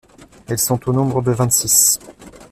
Elles sont au nombre de vingt six.